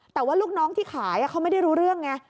แต่ว่าลูกน้องที่ขายเขาไม่ได้รู้เรื่องไง